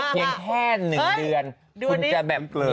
เงียนแค่หนึ่งเดือนคุณจะแบบเหนียน